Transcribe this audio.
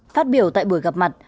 phát biểu tại buổi gặp mặt